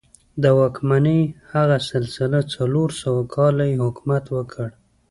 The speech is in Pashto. د واکمنۍ هغه سلسله څلور سوه کاله یې حکومت وکړ.